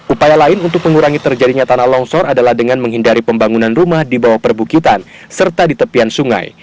upaya lain untuk mengurangi terjadinya tanah longsor adalah dengan menghindari pembangunan rumah di bawah perbukitan serta di tepian sungai